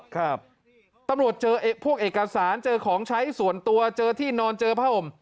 ครับตำรวจเจอพวกเอกสารเจอของใช้ส่วนตัวเจอที่นอนเจอผ้าห่ม